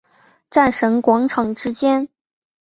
战神广场之间。